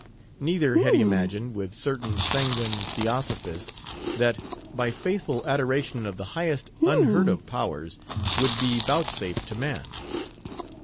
Neither had he imagined, with certain sanguine theosophists, that, by faithful adoration of the Highest, unheard of powers would be vouchsafed to man.